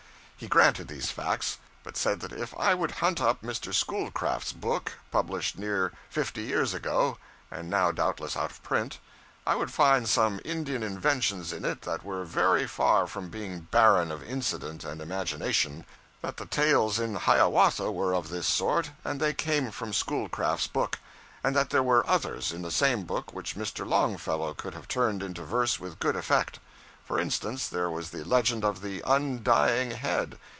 He granted these facts, but said that if I would hunt up Mr. Schoolcraft's book, published near fifty years ago, and now doubtless out of print, I would find some Indian inventions in it that were very far from being barren of incident and imagination; that the tales in Hiawatha were of this sort, and they came from Schoolcraft's book; and that there were others in the same book which Mr. Longfellow could have turned into verse with good effect. For instance, there was the legend of 'The Undying Head.'